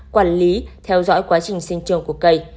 quản lý theo dõi quá trình sinh trường của cây